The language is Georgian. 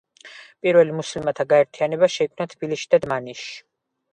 პირველი მუსლიმთა გაერთიანება შეიქმნა თბილისში და დმანისში.